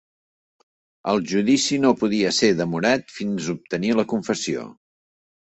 El judici no podia ser demorat fins a obtenir la confessió.